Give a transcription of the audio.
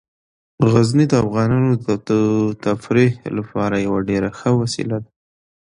غزني د افغانانو د تفریح لپاره یوه ډیره ښه وسیله ده.